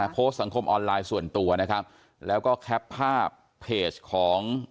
โพสต์สังคมออนไลน์ส่วนตัวนะครับแล้วก็แคปภาพเพจของ